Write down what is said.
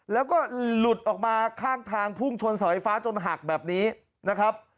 แล้วก็หลุดออกมาข้างทางพุ่งชนเสาไฟฟ้าจนหักแบบนี้นะครับ